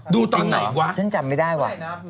ดูตอนไหนกว่าจริงเหรอฉันจำไม่ได้ว่ะ